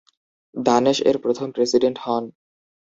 দানেশ এর প্রথম প্রেসিডেন্ট হন।